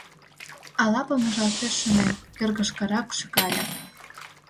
Ала помыжалтеш шонен, кӧргышкырак шӱкале.